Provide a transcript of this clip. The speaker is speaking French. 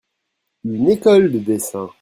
une école de dessin.